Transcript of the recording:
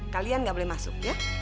kalian gak boleh masuk